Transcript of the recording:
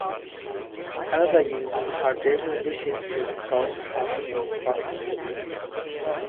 Another uses her delicious dishes to soothe her husband's fiery temperament.